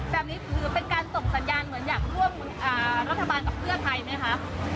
แบบนี้ถือเป็นการส่งสัญญาณเหมือนอยากร่วมรัฐบาลกับเพื่อไทยไหมคะ